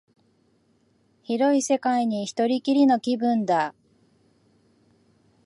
広い世界に一人きりの気分だ